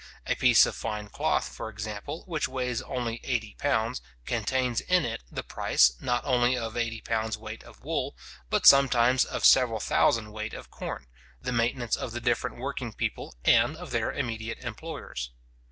A piece of fine cloth, for example which weighs only eighty pounds, contains in it the price, not only of eighty pounds weight of wool, but sometimes of several thousand weight of corn, the maintenance of the different working people, and of their immediate employers.